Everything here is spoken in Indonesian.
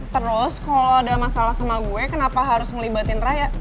terus kalau ada masalah sama gue kenapa harus ngelibatin raya